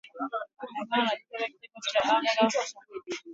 Mamia ya wanajeshi kutoka kitengo cha anga namba thamanini na mbili cha Marekani.